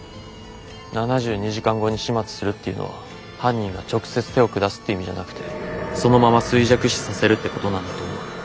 ７２時間後に始末するっていうのは犯人が直接手を下すって意味じゃなくてそのまま衰弱死させるってことなんだと思う。